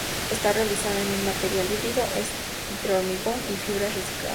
Está realizada en un material híbrido entre hormigón y fibras recicladas.